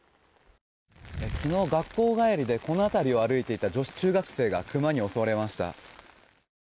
昨日、学校帰りでこの辺りを歩いていた女子中学生がクマに襲われました。